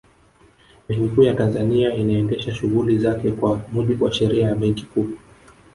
Benki Kuu ya Tanzania inaendesha shughuli zake kwa mujibu wa Sheria ya Benki Kuu